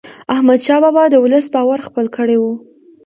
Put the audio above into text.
احمدشاه بابا د ولس باور خپل کړی و.